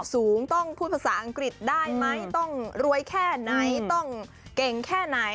สูงต้องพูดภาษาอังกฤษได้ไหมต้องรวยแค่ไหนต้องเก่งแค่ไหน